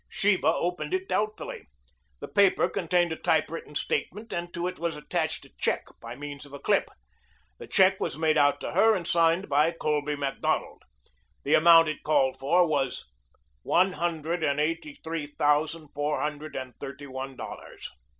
Sheba opened it doubtfully. The paper contained a typewritten statement and to it was attached a check by means of a clip. The check was made out to her and signed by Colby Macdonald. The amount it called for was one hundred and eighty three thousand four hundred and thirty one dollars.